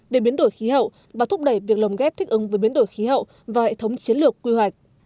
về biến đổi khí hậu và thúc đẩy việc lồng ghép thích ứng với biến đổi khí hậu vào hệ thống chiến lược quy hoạch